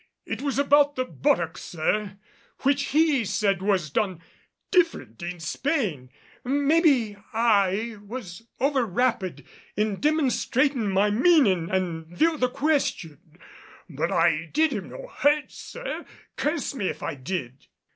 It was about the buttock, sir, which he said was done different in Spain. Mebbe I was over rapid in demonstratin' my meanin' an' view of the question. But I did him no hurt, sir, curse me if I did!"